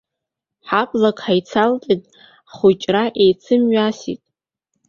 Ҳаблак ҳаицалҵит, ҳхәыҷра еицымҩасит.